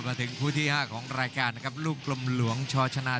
ดดดดโห้ทายไฟท่าตา